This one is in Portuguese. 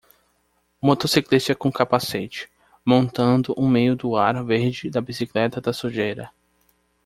Motociclista com capacete, montando um meio do ar verde da bicicleta da sujeira.